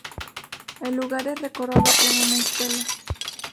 El lugar es recordado con una estela.